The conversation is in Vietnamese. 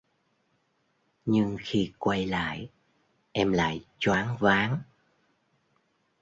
Nhưng khi quay lại em lại choáng váng